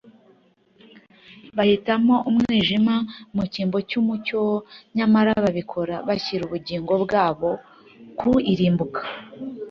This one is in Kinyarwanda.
bahitamo umwijima mu cyimbo cy’umucyo, nyamara babikora bashyira ubugingo bwabo ku irimbukiro